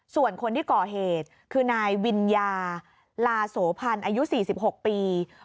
ส่วนคนที่ก่อเหตุคือนายวิญญาลาโสพันธ์อายุ๔๖ปี